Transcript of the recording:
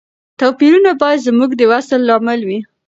توپیرونه باید زموږ د وصل لامل وي.